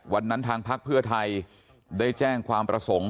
วันนั้นทางภักดิ์เพื่อไทยได้แจ้งความประสงค์